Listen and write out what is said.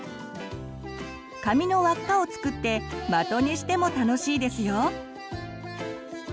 紙の輪っかを作って的にしても楽しいですよ。